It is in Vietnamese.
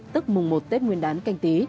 tức mùng một tết nguyên đán canh tí